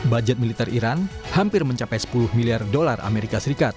budget militer iran hampir mencapai sepuluh miliar dolar as